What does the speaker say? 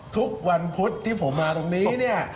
ทุกวันพุธที่ผมมาตรงนี้เนี่ย